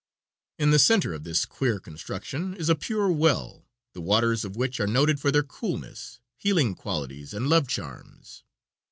In the center of this queer construction is a pure well, the waters of which are noted for their coolness, healing qualities and love charms.